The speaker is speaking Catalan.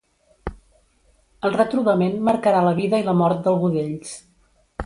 El retrobament marcarà la vida i la mort d'algú d'ells.